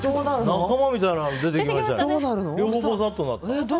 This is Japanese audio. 仲間みたいなのが出てきたけど。